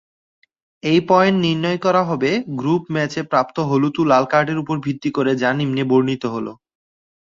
এই পয়েন্ট নির্ণয় করা হবে গ্রুপ ম্যাচে প্রাপ্ত হলুদ ও লাল কার্ডের উপর ভিত্তি করে যা নিম্নে বর্ণিত হল।